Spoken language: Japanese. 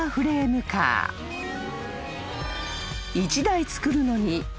［１台作るのに］